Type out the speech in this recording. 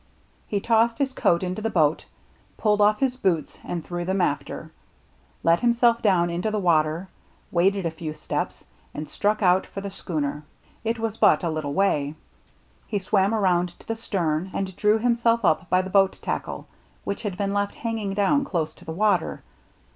He tossed his coat into the boat, pulled off his boots and threw them after, let himself down into the water, waded a few steps, and struck out for the schooner. It was but a little way. He swam around to the stern, and drew himself up by the boat tackle, which had been left hanging down close to the water.